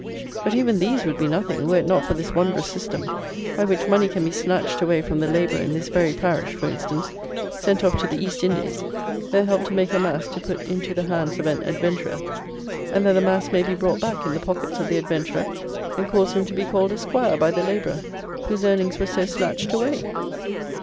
But even these would be nothing, were it not for this wondrous system by which money can be snatched away from the labourer in this very parish, for instance, sent off to the East Indies, there help to make a mass to put into the hands of an adventurer, and then the mass may be brought back in the pockets of the adventurer and cause him to be called a 'Squire by the labourer whose earnings were so snatched away!